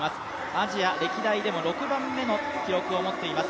アジア歴代でも６番目の記録を持っています。